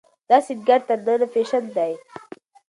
دا سينګار تر ننه فېشن دی.